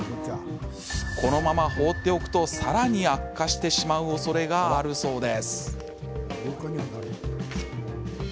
このまま放っておくとさらに悪化してしまうおそれがあるそうです。